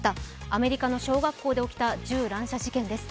アメリカの小学校で起きた銃乱射事件です。